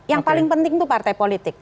yang paling penting itu partai politik